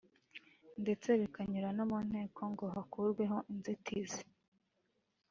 ndetse bikanyura no mu nteko ngo hakurweho inzitizi